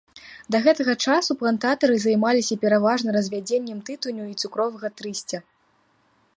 Да гэтага часу плантатары займаліся пераважна развядзеннем тытуню і цукровага трысця.